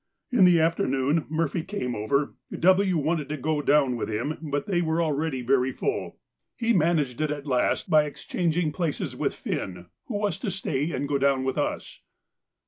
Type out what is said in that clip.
In the afternoon Murphy came over; W. wanted to go down with him, but they were already very full. He managed it at last by exchanging places with Finn, who was to stay and go down with us.